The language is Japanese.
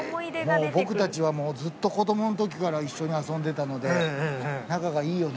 僕たちはもうずっと子供のときから一緒に遊んでたので仲がいいよね。